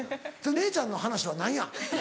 姉ちゃんの話は何や？